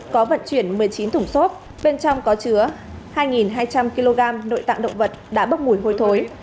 có vận chuyển một mươi chín thùng xốp bên trong có chứa hai hai trăm linh kg nội tạng động vật đã bốc mùi hôi thối